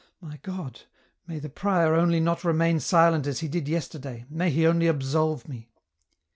My God ! may the prior only not remain silent as he did yesterday, may he only absolve me